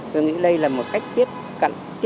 tôi nghĩ đây là một cách tiếp nhận cái âm nhạc của thế giới